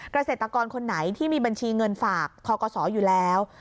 เกษตรกรคนไหนที่มีบัญชีเงินฝากทกศอยู่แล้ว